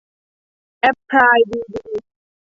แอ็พพลาย ดีบี